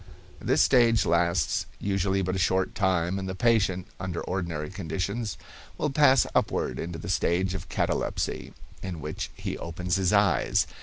This stage lasts usually but a short time, and the patient, under ordinary conditions, will pass upward into the stage of catalepsy, in which he opens his eyes.